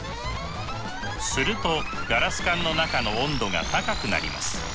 するとガラス管の中の温度が高くなります。